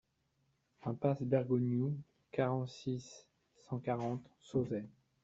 Impasse Bergougnoux, quarante-six, cent quarante Sauzet